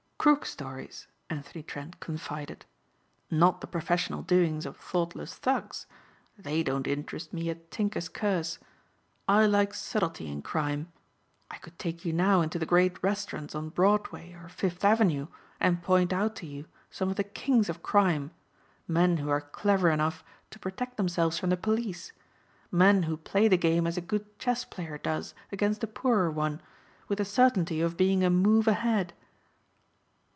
"Crook stories," Anthony Trent confided. "Not the professional doings of thoughtless thugs. They don't interest me a tinker's curse. I like subtlety in crime. I could take you now into the great restaurants on Broadway or Fifth Avenue and point out to you some of the kings of crime men who are clever enough to protect themselves from the police. Men who play the game as a good chess player does against a poorer one, with the certainty of being a move ahead."